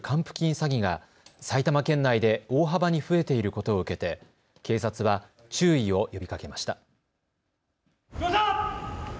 詐欺が埼玉県内で大幅に増えていることを受けて警察は注意を呼びかけました。